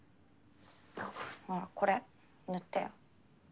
ほらこれ塗ってよ。